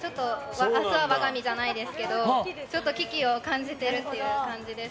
明日は我が身じゃないですけどちょっと危機を感じているという感じです。